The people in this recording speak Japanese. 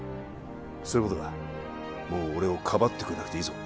そういうことだもう俺をかばってくれなくていいぞ